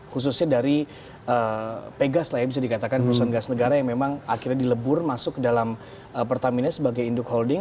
khususnya dari pegas lah ya bisa dikatakan perusahaan gas negara yang memang akhirnya dilebur masuk ke dalam pertamina sebagai induk holding